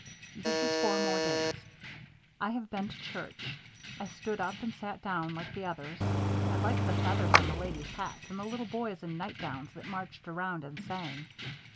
This is four more days. I have been to church. I stood up and sat down like the others. I liked the feathers on the ladies' hats and the little boys in nightgowns that marched around and sang.